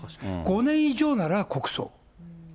５年以上なら国葬。